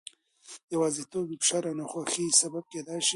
یوازیتوب د فشار او ناخوښۍ سبب کېدای شي.